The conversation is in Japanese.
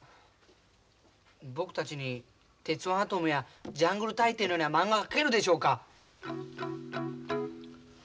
僕たちに「鉄腕アトム」や「ジャングル大帝」のようなまんがが描けるでしょうか。